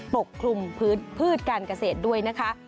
ปกคลุมพืชการเกษตรด้วยนะคะ